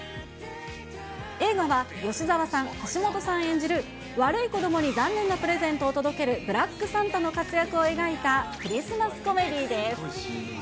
映画は、吉沢さん、橋本さん演じる、悪い子どもに残念なプレゼントを届けるブラックサンタの活躍を描いたクリスマスコメディーです。